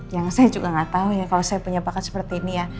yang saya juga gak tau ya kalau saya punya bakat seperti ini